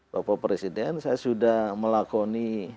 bapak presiden saya sudah melakoni